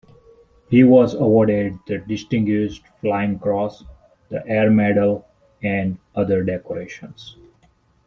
He was awarded the Distinguished Flying Cross, the Air Medal, and other decorations.